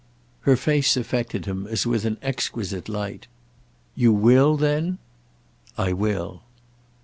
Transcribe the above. Her face affected him as with an exquisite light. "You will then?" "I will."